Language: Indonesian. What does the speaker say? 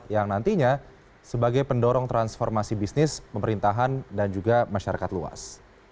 yang nantinya sebagai pendorong transformasi bisnis pemerintahan dan juga masyarakat luas